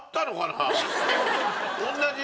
同じ？